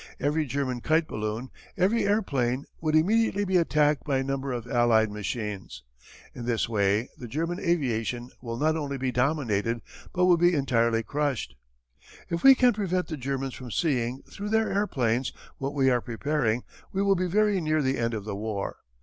"Every German kite balloon, every airplane would immediately be attacked by a number of allied machines. In this way the German aviation will not only be dominated but will be entirely crushed. "If we can prevent the Germans from seeing, through their airplanes, what we are preparing we will be very near the end of the war.